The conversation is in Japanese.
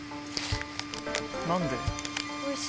何で？